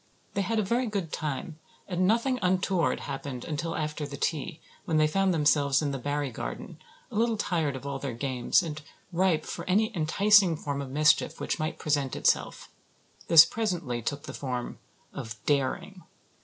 They had a very good time and nothing untoward happened until after tea, when they found themselves in the Barry garden, a little tired of all their games and ripe for any enticing form of mischief which might present itself. This presently took the form of "daring."